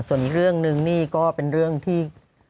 ส่วนอีกเรื่องนึงนี่ก็เป็นเรื่องที่